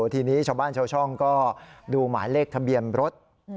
ทีนี้ชาวบ้านชาวช่องก็ดูหมายเลขทะเบียนรถ